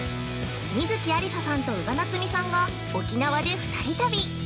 観月ありささんと、宇賀なつみさんが、沖縄で二人旅。